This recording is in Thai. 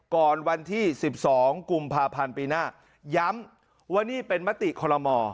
ก่อนวันที่๑๒กุมภาพันธ์ปีหน้าย้ำว่านี่เป็นมติคอลโม